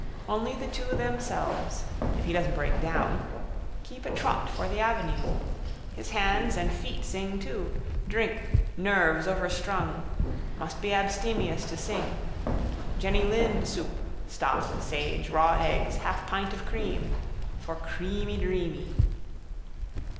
Only the two themselves. If he doesn't break down. Keep a trot for the avenue. His hands and feet sing too. Drink. Nerves overstrung. Must be abstemious to sing. Jenny Lind soup: stock, sage, raw eggs, half pint of cream. For creamy dreamy.